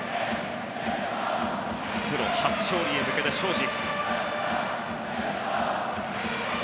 プロ初勝利へ向けて、荘司。